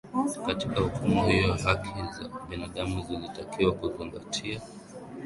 katika hukumu hiyo haki za binadamu zilitakiwa kuzingatiwa